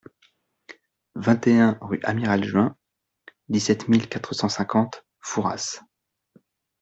vingt et un rue Amiral Juin, dix-sept mille quatre cent cinquante Fouras